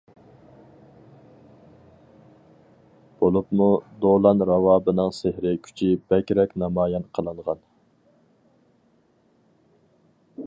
بولۇپمۇ دولان راۋابىنىڭ سېھرىي كۈچى بەكرەك نامايان قىلىنغان.